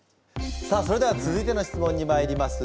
さあそれでは続いての質問にまいります。